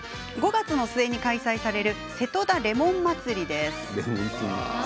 ５月の末に開催されるせとだレモン祭です。